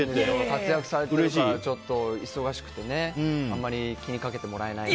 活躍されているから忙しくてあまり気にかけてもらえない。